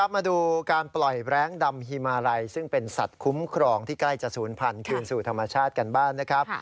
มาดูการปล่อยแรงดำฮิมาลัยซึ่งเป็นสัตว์คุ้มครองที่ใกล้จะศูนย์พันธุ์คืนสู่ธรรมชาติกันบ้างนะครับ